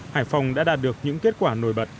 hải phòng đã đạt được những kết quả nổi bật